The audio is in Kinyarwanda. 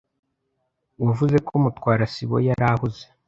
Wavuze ko Mutwara sibo yari ahuze.